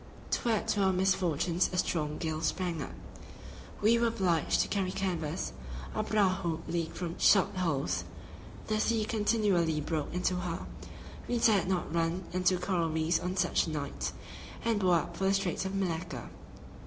To add to our misfortunes a strong gale sprang up. We were obliged to carry canvas; our prahu leaked from shot holes; the sea continually broke into her; we dared not run into the coral reefs on such a night, and bore up for the Straits of Malacca.